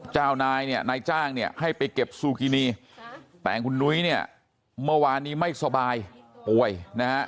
เจ้านายเนี่ยนายจ้างเนี่ยให้ไปเก็บซูกินีแต่คุณนุ้ยเนี่ยเมื่อวานนี้ไม่สบายป่วยนะฮะ